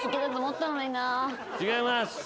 違います。